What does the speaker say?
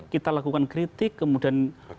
kita lakukan kritik kemudian